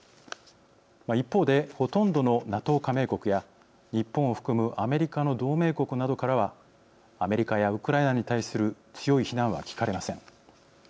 一方で、ほとんどのＮＡＴＯ加盟国や日本を含むアメリカの同盟国などからはアメリカやウクライナに対する強い非難は聞かれません。